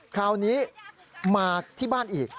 คราวนี้มาที่บ้านอีก